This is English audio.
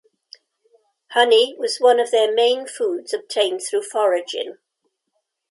Honey was one of their main foods obtained through foraging.